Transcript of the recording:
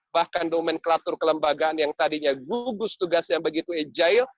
bahkan nomenklatur kelembagaan yang tadinya gugus tugas yang begitu agile